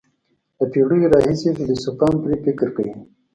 له پېړیو راهیسې فیلسوفان پرې فکر کوي.